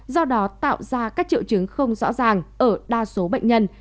do đó tạo ra các triệu chứng không rõ ràng ở đa số bệnh nhân